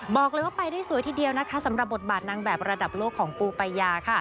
บอกเลยว่าไปได้สวยทีเดียวนะคะ